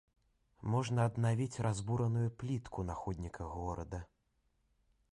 Можна аднавіць разбураную плітку на ходніках горада.